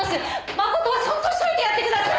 真人はそっとしておいてやってください。